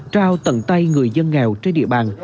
trao tận tay người dân nghèo trên địa bàn